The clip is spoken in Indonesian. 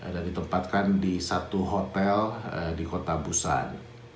dan ditempatkan di satu hotel di kota busan